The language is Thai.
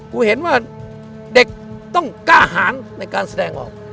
กูเห็นว่าเด็กต้องกล้าหารในการแสดงออก